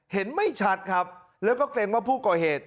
ไม่ชัดครับแล้วก็เกรงว่าผู้ก่อเหตุ